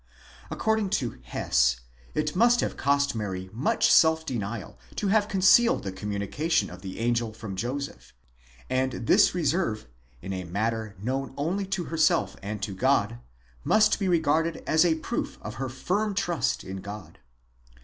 According to Hess * it must have cost Mary much self denial to have concealed the communication of the angel from Joseph; and this reserve, in a matter known only to herself and to God, must be regarded as a proof of her firm trust in God.